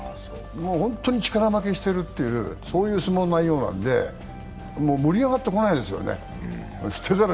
本当に力負けしてるという相撲内容なので、盛り上がってこないですよね。